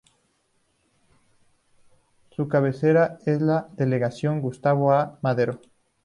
Su cabecera es la Delegación Gustavo A. Madero.